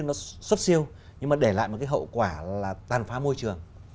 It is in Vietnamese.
nó xuất siêu nhưng mà để lại một cái hậu quả là tàn phá môi trường